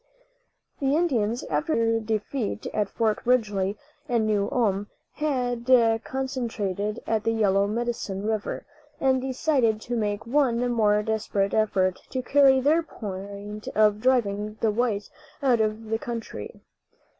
The Indians, after their defeat at Fort Ridgely and New Ulm, had concentrated at the Yellow Medicine river, and decided to make one more desperate effort to carry their point of driving the whites out of the country.